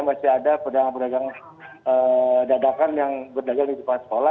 masih ada pedagang pedagang dadakan yang berdagang di depan sekolah